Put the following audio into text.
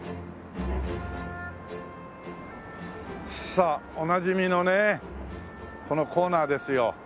さあおなじみのねこのコーナーですよ。